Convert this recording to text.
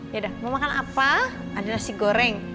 ya dah mau makan apa ada nasi goreng